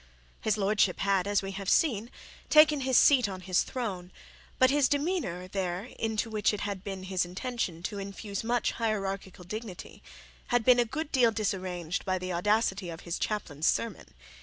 His lordship had, as we have seen, taken his seat on his throne; but his demeanour there, into which it had been his intention to infuse much hierarchical dignity, had been a good deal disarranged by the audacity of his chaplain's sermon.